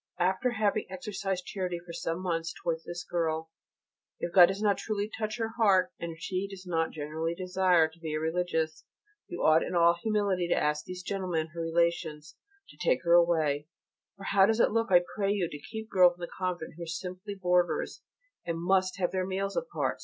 After having exercised charity for some months towards this girl, if God does not truly touch her heart and if she does not genuinely desire to be a Religious, you ought in all humility to ask these gentlemen, her relations, to take her away: for how does it look, I pray you, to keep girls in the convent who are simply boarders and must have their meals apart?